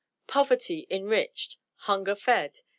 Poverty enriched. Hunger fed.